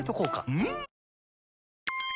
うん！